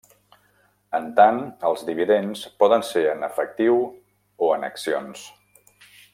En tant, els dividends poden ser en efectiu o en accions.